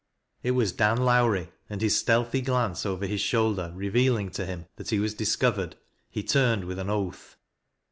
It was Dan Lowrie, and his stealthy glance over his shoulder revealing to him that he was discovered, he turned with an oath.